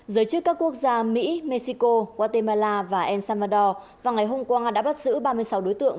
giới chức các quốc gia mỹ mexico guatemala và el salvador vào ngày hôm qua đã bắt giữ ba mươi sáu đối tượng